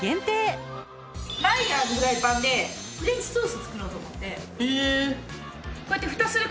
マイヤーのフライパンでフレンチトースト作ろうと思って。